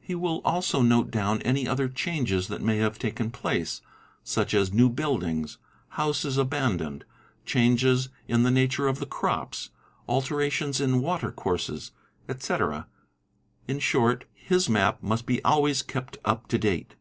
He will also note down any other changes that may have taken place, such as new buildings, houses abandoned, changes in the nature of the crops, alterations in water courses, etc.; in short ' Hf : 7 i: map must be always kept up to date.